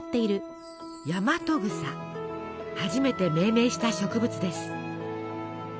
初めて命名した植物です。